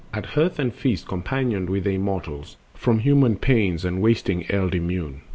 At hearth and feast companioned with the immortals, From human pains and wasting eld immune.